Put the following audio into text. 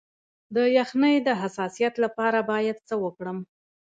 د یخنۍ د حساسیت لپاره باید څه وکړم؟